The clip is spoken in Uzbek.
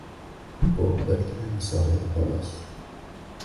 Bu birgina misol edi, xolos.